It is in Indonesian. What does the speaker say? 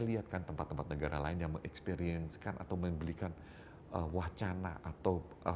lihat kan tempat tempat negara lain yang mengeksperiencekan atau membelikan wacana atau